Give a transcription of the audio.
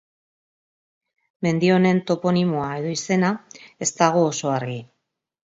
Mendi honen toponimoa edo izena ez dago oso argi.